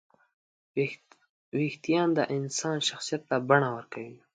وېښتيان د انسان شخصیت ته بڼه ورکوي.